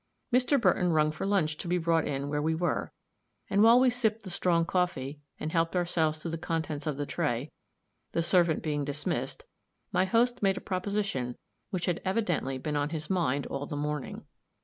Mr. Burton rung for lunch to be brought in where we were; and while we sipped the strong coffee, and helped ourselves to the contents of the tray, the servant being dismissed, my host made a proposition which had evidently been on his mind all the morning.